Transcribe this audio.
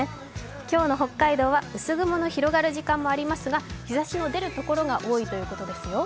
今日の北海道は薄雲の広がる時間もありますが日ざしの出るところが多いということですよ。